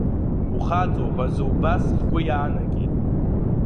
Ухаҵоуп азы убас сгәы иаанагеит.